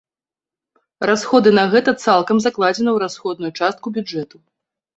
Расходы на гэта цалкам закладзены ў расходную частку бюджэту.